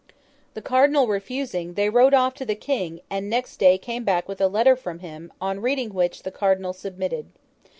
The Cardinal refusing, they rode off to the King; and next day came back with a letter from him, on reading which, the Cardinal submitted.